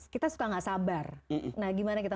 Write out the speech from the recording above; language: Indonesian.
kita suka gak sabar nah gimana kita